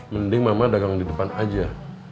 mending mama dagang di depan aja